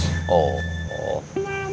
dede siapa itu